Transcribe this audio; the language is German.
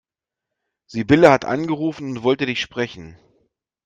Sibylle hat angerufen und wollte dich sprechen.